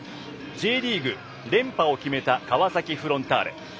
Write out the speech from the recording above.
Ｊリーグ連覇を決めた川崎フロンターレ。